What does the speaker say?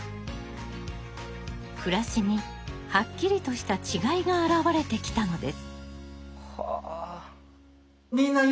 暮らしにはっきりとした違いが表れてきたのです。